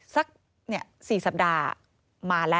สัก๔สัปดาห์มาแล้ว